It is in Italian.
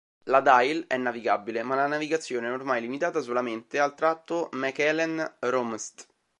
La Dyle è navigabile ma la navigazione è ormai limitata solamente al tratto Mechelen-Rumst.